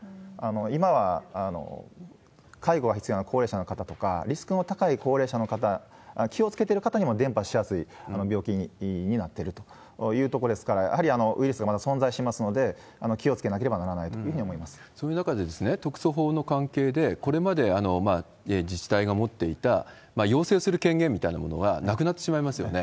今は介護が必要な高齢者の方とか、リスクの高い高齢者の方、気をつけてる方にも伝ぱしやすい病気になってるというところですから、やはりウイルスがまだ存在しますので、気をつけなければならないというふうに思いそういう中で、特措法の関係で、これまで自治体が持っていた、要請する権限みたいなものがなくなってしまいますよね。